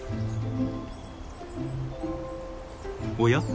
おや？